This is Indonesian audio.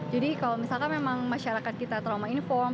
jadi kalau misalkan memang masyarakat kita trauma informed